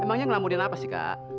emangnya ngelamudian apa sih kak